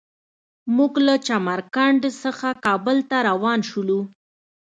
موږ له چمر کنډ څخه کابل ته روان شولو.